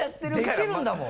できるんだもん。